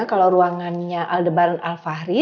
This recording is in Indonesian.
kalo ruangannya aldebaran alfahri